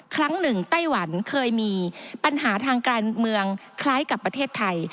ครั้งหนึ่งไต้หวันเคยมีปัญหาทางการเมืองคล้ายกับประเทศไทย